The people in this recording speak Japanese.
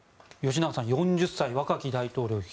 吉永さん４０歳、若き大統領。